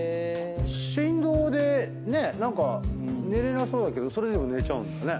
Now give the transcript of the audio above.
振動で何か寝れなそうだけどそれでも寝ちゃうんだね。